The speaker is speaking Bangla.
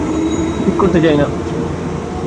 ঠিক করতে চাই না।